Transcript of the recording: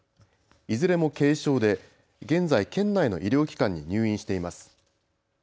いずれも軽症で現在、県内の医療機関に入院しています。